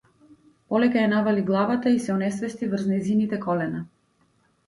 Полека ја навали главата и се онесвести врз нејзините колена.